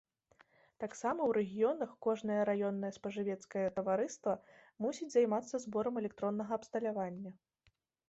Таксама ў рэгіёнах кожнае раённае спажывецкае таварыства мусіць займацца зборам электроннага абсталявання.